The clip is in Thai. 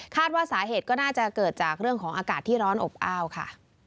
ว่าสาเหตุก็น่าจะเกิดจากเรื่องของอากาศที่ร้อนอบอ้าวค่ะ